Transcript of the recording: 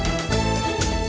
teganya teganya teganya